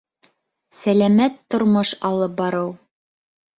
Сәләмәт тормош алып барыу